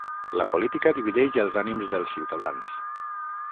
La política divideix els ànims dels ciutadans.